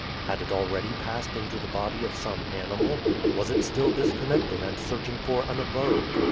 Had it already passed into the body of some animal? Was it still disconnected and searching for an abode?